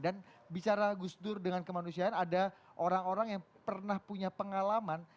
dan bicara gus dur dengan kemanusiaan ada orang orang yang pernah punya pengalaman